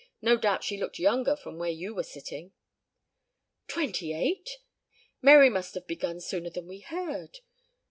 No doubt she looked younger from where you were sitting." "Twenty eight! Mary must have begun sooner than we heard.